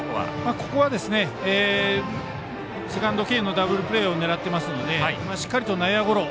ここはセカンド経由のダブルプレーを狙っていますのでしっかりと内野ゴロ。